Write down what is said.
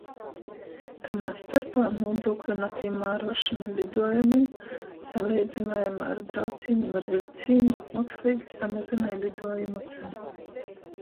Tamā storpā nūdūkļu napīmāruošona liduojumim saleidzynuojumā ar braucīnim ar viļcīni, muoksleigi samazynoj liduojumu cenu.